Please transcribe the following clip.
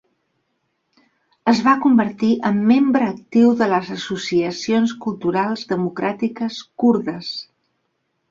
Es va convertir en membre actiu de les associacions culturals democràtiques kurdes.